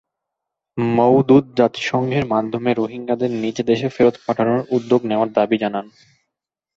মওদুদ জাতিসংঘের মাধ্যমে রোহিঙ্গাদের নিজ দেশে ফেরত পাঠানোর উদ্যোগ নেওয়ার দাবি জানান।